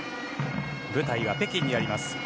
舞台は北京にあります